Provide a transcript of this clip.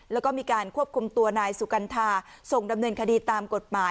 แล้วก็มีการควบคุมตัวนายสุกัณฑาส่งดำเนินคดีตามกฎหมาย